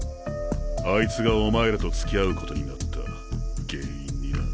あいつがお前らと付き合う事になった原因にな。